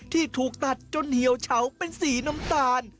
ที่ถูกตัดจนเหี่ยวเฉาเป็นสีน้ำตาล